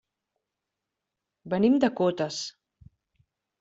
Venim de Cotes.